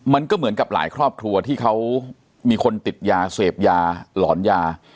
มันก็เหมือนกับหลายครอบครัวที่เขามีคนติดยาเสพยาหลอนยา